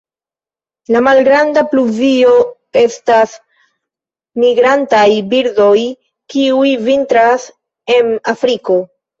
La Malgranda pluvio estas migrantaj birdoj kiuj vintras en Afriko.